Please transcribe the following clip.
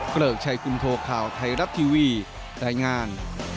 เกริกชัยคุณโทข่าวไทยรัฐทีวีรายงาน